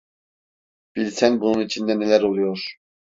Bilsen bunun içinde neler oluyor!